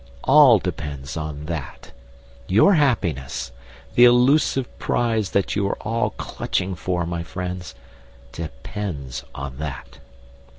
All depends on that. Your happiness the elusive prize that you are all clutching for, my friends! depends on that.